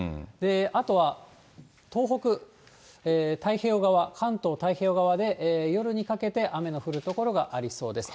あとは東北、太平洋側、関東太平洋側で夜にかけて雨の降る所がありそうです。